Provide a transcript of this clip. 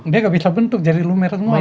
dia nggak bisa bentuk jadi lumer semua